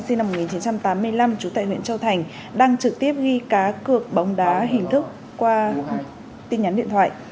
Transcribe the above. sinh năm một nghìn chín trăm tám mươi năm trú tại huyện châu thành đang trực tiếp ghi cá cược bóng đá hình thức